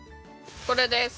これです。